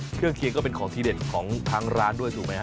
เครื่องเคียงก็เป็นของที่เด่นของทางร้านด้วยถูกไหมฮ